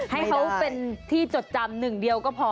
ให้เขาเป็นที่จดจำหนึ่งเดียวก็พอ